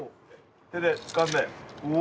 手でつかんでうお！